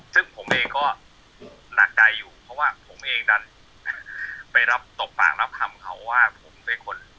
ซึ่งผมเองก็หนักใจอยู่เพราะว่าผมเองดันไปรับตบปากรับคำเขาว่าผมเป็นคน